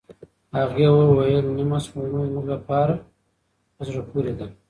هغې وویل، نیمه سپوږمۍ زموږ لپاره زړه پورې ده.